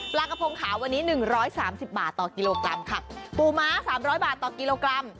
ปลากระพงขาวันนี้๑๓๐บาทต่อกิโลกรัมค่ะปูม้า๓๐๐บาทต่อกิโลกรัม